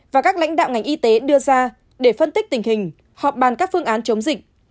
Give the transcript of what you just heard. và các lãnh đạo ngành y tế đưa ra để phân tích tình hình họp bàn các phương án chống dịch